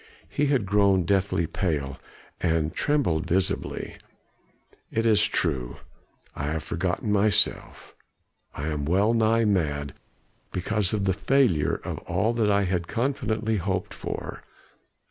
He had grown deathly pale, and trembled visibly. "It is true, I have forgotten myself. I am well nigh mad because of the failure of all that I had confidently hoped for.